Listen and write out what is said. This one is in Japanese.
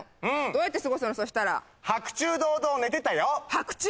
どうやって過ごすのそしたら白昼堂々寝てたよ白昼！？